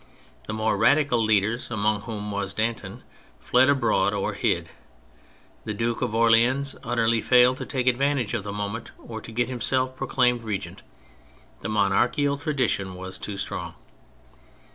The more Radical leaders (among whom was Danton) fled abroad or hid. The Duke of Orleans utterly failed to take advan tage of the moment, or to get himself pro claimed regent : the monarchical tradition was too strong.